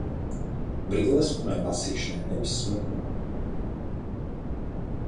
Brilles man vajag lasīšanai, nevis smukumam.